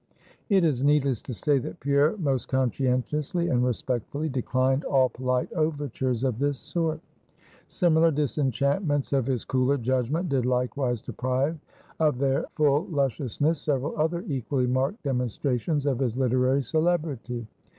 It is needless to say that Pierre most conscientiously and respectfully declined all polite overtures of this sort. Similar disenchantments of his cooler judgment did likewise deprive of their full lusciousness several other equally marked demonstrations of his literary celebrity.